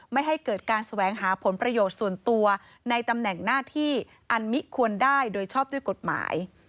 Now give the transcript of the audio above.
ไม่ให้เกิดการแสวงหาผลประโยชน์ส่วนตัวในตำแหน่งหน้าที่อันมิควรได้โดยชอบด้วยกฎหมาย